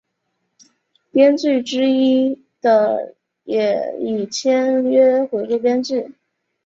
编剧之一的也已签约回归编剧。